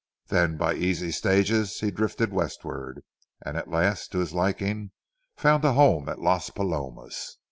Then by easy stages he drifted westward, and at last, to his liking, found a home at Las Palomas.